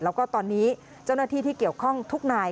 แล้วก็ตอนนี้เจ้าหน้าที่ที่เกี่ยวข้องทุกนาย